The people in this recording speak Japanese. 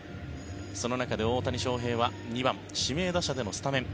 その中で大谷翔平は２番指名打者でのスタメン。